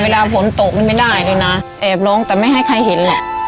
เวลาฝนตกมันไม่ได้เลยน่ะเอ็บลงแต่ไม่ให้ใครเห็น